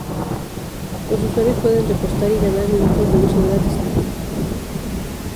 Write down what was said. Los usuarios pueden repostar y ganar minutos de uso gratis en su cuenta.